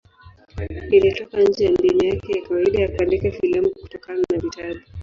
Ilitoka nje ya mbinu yake ya kawaida ya kuandika filamu kutokana na vitabu.